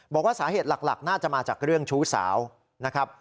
บอกว่าสาเหตุหลักน่าจะมาจากเรื่องชู้สาวนะครับ